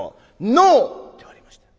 ノー！」って言われまして。